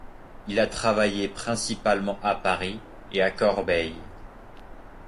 Il a travaillé principalement à Paris et à Corbeil.